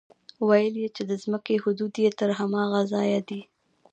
ويل يې چې د ځمکې حدود يې تر هماغه ځايه دي.